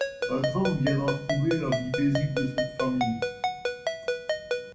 Un drame viendra troubler la vie paisible de cette famille.